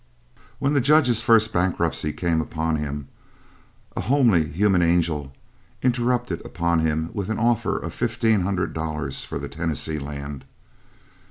When the judge's first bankruptcy came upon him, a homely human angel intruded upon him with an offer of $1,500 for the Tennessee Land.